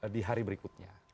di hari berikutnya